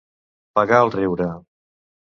Pagar el riure.